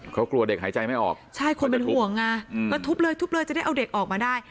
เขากลัวเด็กหายใจไม่ออกใช่คนเป็นห่วงไงก็ทุบเลยทุบเลยจะได้เอาเด็กออกมาได้